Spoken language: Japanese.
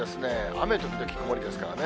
雨時々曇りですからね。